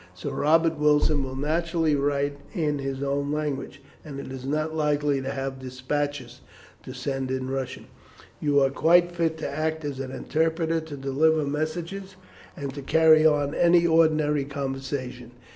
Sir Robert Wilson will naturally write in his own language, and is not likely to have despatches to send in Russian. You are quite fit to act as an interpreter to deliver messages, and to carry on any ordinary conversation.